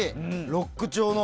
ロック調の。